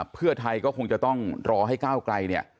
เพื่อไทยก็คงจะต้องรอให้ก้าวไกลเนี่ย